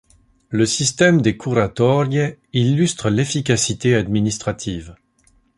Le système des curatorie illustre l'efficacité administrative.